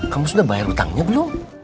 kamu sudah bayar utangnya belum